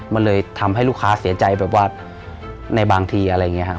มันเลยทำให้ลูกค้าเสียใจแบบว่าในบางทีอะไรอย่างนี้ครับ